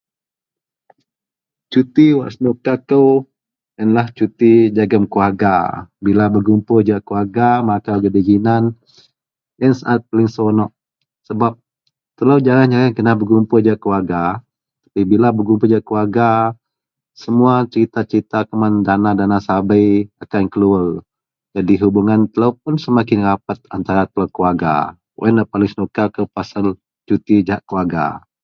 cuti wak senuka kou, ienlah cuti jegum keluarga, bila berkumpul jahak keluarga makau gidei ginan, ien saat paling seronok sebab telo jareang-jareang kena berkumpul jahak keluarga, bila berkumpul jahak keluarga semua cerita-cerita kuman dana-dana sabei akan keluar, jadi hubungan telo pun semakin rapat antara telo keluarga, ienlah paling senuka kou pasal cuti jahak keluarga.